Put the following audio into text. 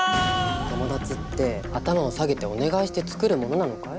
友達って頭を下げてお願いしてつくるものなのかい？